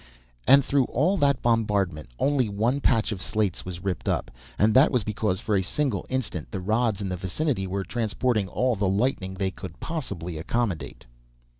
And through all that bombardment only one patch of slates was ripped up, and that was because, for a single instant, the rods in the vicinity were transporting all the lightning they could possibly accommodate.